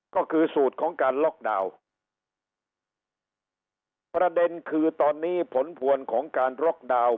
ก็คือสูตรของการล็อกดาวน์ประเด็นคือตอนนี้ผลพวงของการล็อกดาวน์